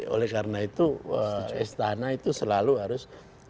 oleh karena itu istana itu selalu harus